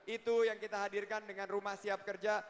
itu yang kita hadirkan dengan rumah siap kerja